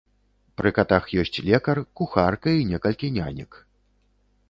Пры катах ёсць лекар, кухарка і некалькі нянек.